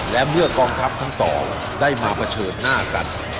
และเมื่อกองทัพทั้งสองได้มาเผชิญหน้ากัน